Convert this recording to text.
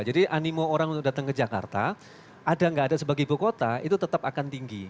jadi animo orang untuk datang ke jakarta ada nggak ada sebagai ibu kota itu tetap akan tinggi